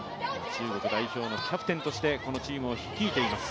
中国代表のキャプテンとして、このチームを率いています。